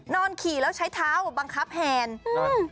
นอนขี่แล้วใช้เท้าบังคับแห่ง